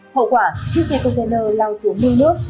hậu quả chiếc xe container lao xuống đuôi nước